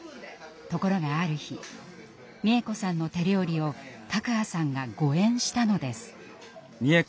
ところがある日美枝子さんの手料理を卓巴さんが誤えんしたのです。